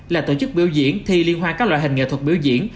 là tổ chức biểu diễn thi liên hoan các loại hình nghệ thuật biểu diễn